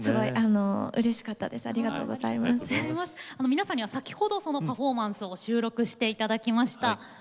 皆さんには先ほどそのパフォーマンスを収録して頂きました。